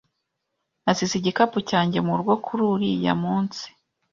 Nasize igikapu cyanjye murugo kuri uriya munsi.